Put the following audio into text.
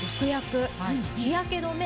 日焼け止め